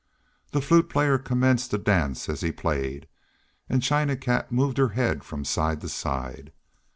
The Flute Player commenced to dance as he played, and China Cat moved her head from side to side.